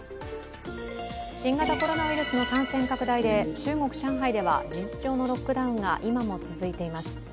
新型コロナウイルスの感染拡大で中国・上海では事実上のロックダウンが今も続いています。